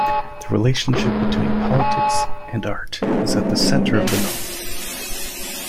The relationship between politics and art is at the center of the novel.